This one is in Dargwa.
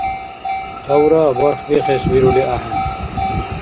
Тавра барх бихес вирули ахӀен.